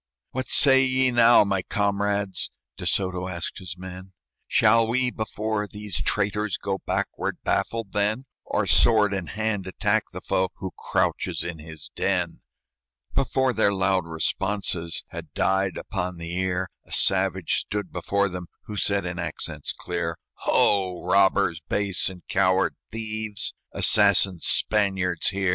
"What say ye now, my comrades?" De Soto asked his men; "Shall we, before these traitors, Go backward, baffled, then; Or, sword in hand, attack the foe Who crouches in his den?" Before their loud responses Had died upon the ear, A savage stood before them, Who said, in accents clear, "Ho! robbers base and coward thieves! Assassin Spaniards, hear!